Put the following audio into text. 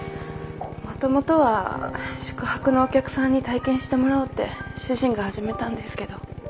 もともとは宿泊のお客さんに体験してもらおうって主人が始めたんですけど。